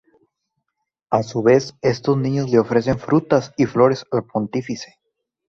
A su vez, estos niños le ofrecen frutas y flores al Pontífice.